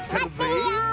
まってるよ！